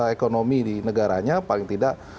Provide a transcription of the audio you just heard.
ekonomi di negaranya paling tidak